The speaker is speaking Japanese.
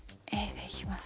でいきます？